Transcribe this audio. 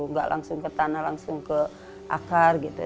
nggak langsung ke tanah langsung ke akar gitu